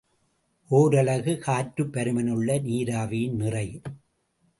ஓரலகு காற்றுப் பருமனிலுள்ள நீராவியின் நிறை.